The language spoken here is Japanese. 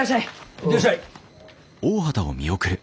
行ってらっしゃい。